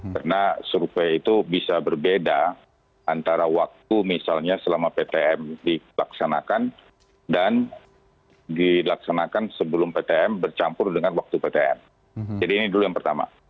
karena survei itu bisa berbeda antara waktu misalnya selama ptm dilaksanakan dan dilaksanakan sebelum ptm bercampur dengan waktu ptm jadi ini dulu yang pertama